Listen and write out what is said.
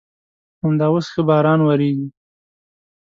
همدا اوس ښه باران ورېږي.